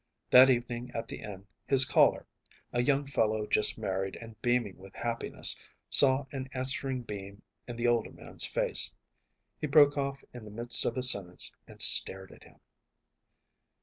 That evening at the inn his caller, a young fellow just married and beaming with happiness, saw an answering beam in the older man’s face. He broke off in the midst of a sentence and stared at him.